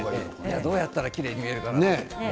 どうやったらきれいに見えるかなと。